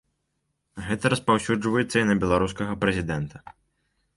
Гэта распаўсюджваецца і на беларускага прэзідэнта.